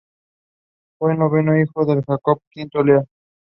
Fue el noveno hijo de Jacob y quinto de Lea.